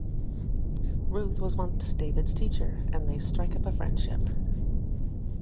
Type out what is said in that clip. Ruth was once David's teacher, and they strike up a friendship.